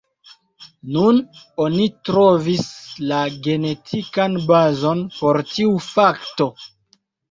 Nun oni trovis la genetikan bazon por tiu fakto.